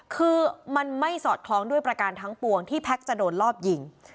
คือมันไม่สอดคล้องด้วยประการทั้งปวงที่แพ็คจะโดนรอบยิง